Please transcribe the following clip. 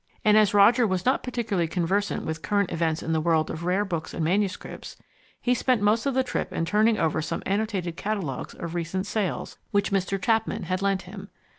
And as Roger was not particularly conversant with current events in the world of rare books and manuscripts, he spent most of the trip in turning over some annotated catalogues of recent sales which Mr. Chapman had lent him.